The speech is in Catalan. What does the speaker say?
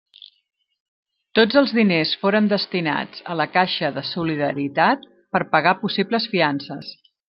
Tots els diners foren destinats a la Caixa de Solidaritat per pagar possibles fiances.